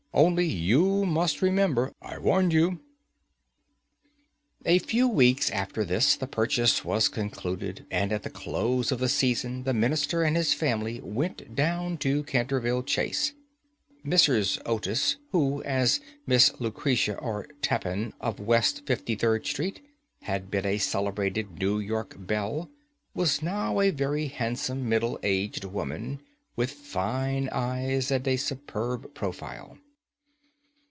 Only you must remember I warned you." [Illustration: MISS VIRGINIA E. OTIS] A few weeks after this, the purchase was concluded, and at the close of the season the Minister and his family went down to Canterville Chase. Mrs. Otis, who, as Miss Lucretia R. Tappan, of West 53d Street, had been a celebrated New York belle, was now a very handsome, middle aged woman, with fine eyes, and a superb profile.